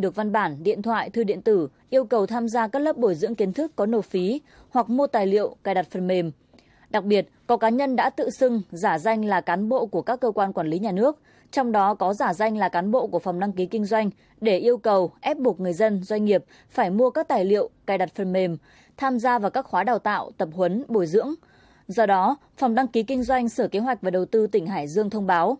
do đó phòng đăng ký kinh doanh sở kế hoạch và đầu tư tỉnh hải dương thông báo